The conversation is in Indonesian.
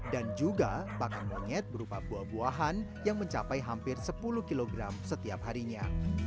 dan juga pakan monyet berupa buah buahan yang mencapai hampir sepuluh kilogram setiap harinya